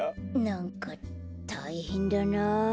なんかたいへんだなあ。